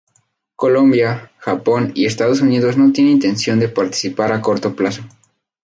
Colombia, Japón, y Estados Unidos no tienen intención de participar a corto plazo.